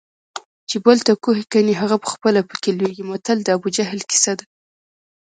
چې بل ته کوهي کني هغه پخپله پکې لویږي متل د ابوجهل کیسه ده